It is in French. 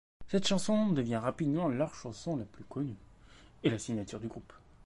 Cette chanson devient rapidement leur chanson la plus connue, et la signature du groupe.